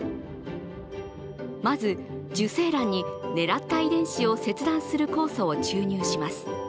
まず、受精卵に狙った遺伝子を切断する酵素を注入します。